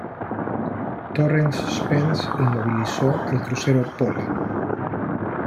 Torrens-Spence, inmovilizó al crucero "Pola".